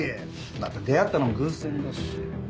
だって出会ったのも偶然だし。